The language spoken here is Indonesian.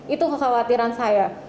itu kekhawatiran saya